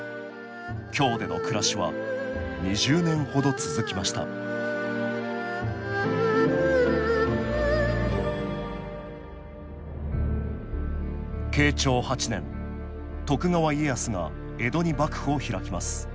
京での暮らしは２０年ほど続きました慶長８年徳川家康が江戸に幕府を開きます。